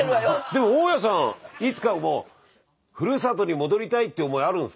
でも大家さんいつかふるさとに戻りたいって思いあるんすか？